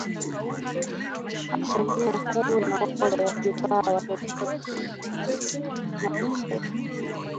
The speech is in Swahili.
asilimia kumi na moja kwa bidhaa ya petroli na dizeli